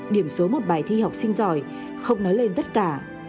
điểm số một bài thi học sinh giỏi không nói lên tất cả